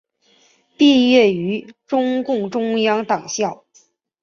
毕业于中共中央党校。